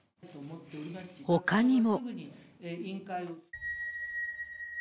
ほかにも。